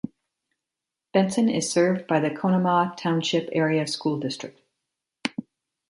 Benson is served by the Conemaugh Township Area School District.